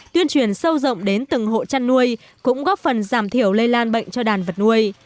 tuyên truyền sâu rộng đến từng hộ chăn nuôi cũng góp phần giảm thiểu lây lan bệnh cho đàn vật nuôi